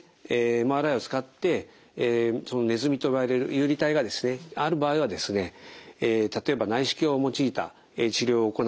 ＭＲＩを使ってそのネズミと呼ばれる遊離体がですねある場合はですね例えば内視鏡を用いた治療を行ってですね